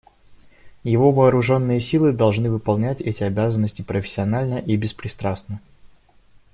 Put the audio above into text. Его вооруженные силы должны выполнять эти обязанности профессионально и беспристрастно.